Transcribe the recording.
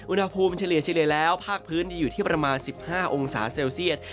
อุณหภูมิเฉลี่ยแล้วภาคพื้นอยู่ที่ประมาณ๑๕องศาเซลเซียต